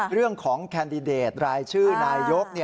เรื่องของแคนดิเดตรายชื่อนายยก